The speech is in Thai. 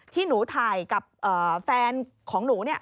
ที่หนูถ่ายกับแฟนของหนู